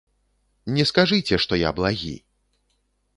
Не скажыце, што я благі.